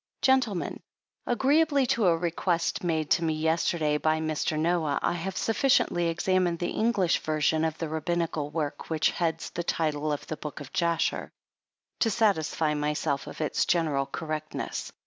Gentlemen, Agreeably to a request made to me yesterday by Mr. Noah, I have sufficiently examined the English version of the Rabbinical work which heads the title of "the Book of Jasher," to satisfy myself of its general correctness.